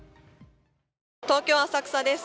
東京・浅草です。